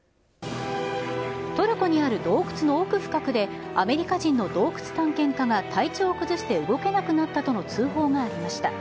トルコにある洞窟の奥深くで、アメリカ人の洞窟探検家が体調を崩して動けなくなったとの通報がありました。